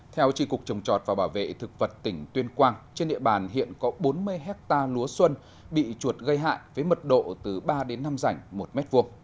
theo tri cục trồng chọt và bảo vệ thực vật tỉnh tuyên quang trên địa bàn hiện có bốn mươi hectare lúa xuân bị chuột gây hại với mật độ từ ba đến năm rảnh một m hai